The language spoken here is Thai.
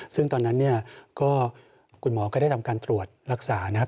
ซึ่งตอนนั้นเนี่ยก็คุณหมอก็ได้ทำการตรวจรักษานะครับ